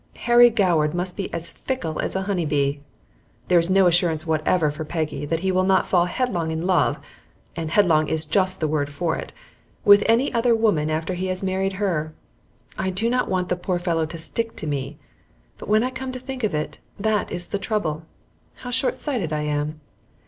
Harry Goward must be as fickle as a honey bee. There is no assurance whatever for Peggy that he will not fall headlong in love and headlong is just the word for it with any other woman after he has married her. I did not want the poor fellow to stick to me, but when I come to think of it that is the trouble. How short sighted I am!